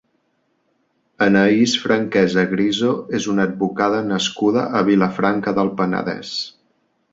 Anaïs Franquesa Griso és una advocada nascuda a Vilafranca del Penedès.